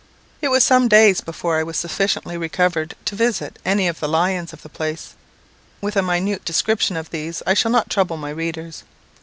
It was some days before I was sufficiently recovered to visit any of the lions of the place. With a minute description of these I shall not trouble my readers.